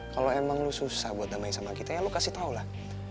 kalau emang lu susah buat damai sama kita ya lu kasih tau lah